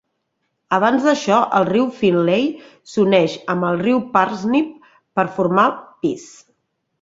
Abans d'això, el riu Finlay s'uneix amb el riu Parsnip per formar Peace.